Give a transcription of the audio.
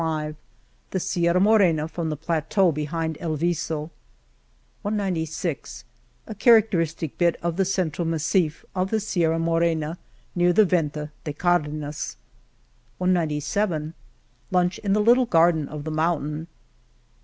ip2 The Sierra Morena, from the plateau behind El Viso, /pj A characteristic bit of the central massif of the Sierra Morena, near the Venta de Cardenas, .. iq6 Lunch in the little garden of the mountain